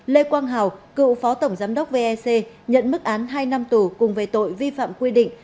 lê quang hào cựu phó tổng giám đốc vec nhận mức án hai năm tù cùng về tội vi phạm quy định